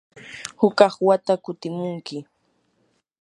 hukaq wata kutimunkim.